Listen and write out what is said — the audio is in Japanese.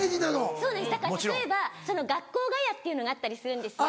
そうですだから例えば学校ガヤっていうのがあったりするんですよ。